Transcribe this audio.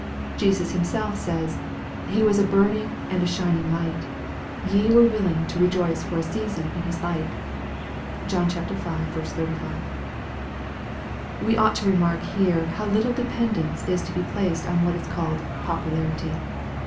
Jesus Himself says, " He was a burning and a shining light : ye were willing to re joice for a season in his light." (John v. 35.) We ought to remark here how little dependence is to be placed on what is called " popularity."